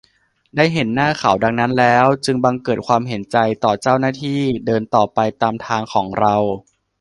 ได้เห็นหน้าเขาดังนั้นแล้ว จึงบังเกิดความเห็นใจต่อเจ้าหน้าที่ เดินต่อไปตามทางของเรา